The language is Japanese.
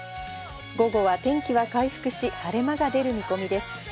午後は天気が回復し、晴れ間が出る見込みです。